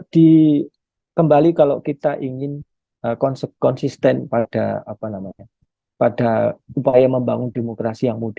di kembali kalau kita ingin konsep konsisten pada apa namanya pada upaya membangun demokrasi yang